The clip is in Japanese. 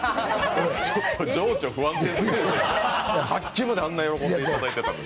ちょっと情緒不安定すぎでしょさっきまであんなに喜んでいただいてたのに。